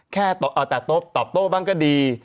แค่ตอบโต้บบั้งก็ดี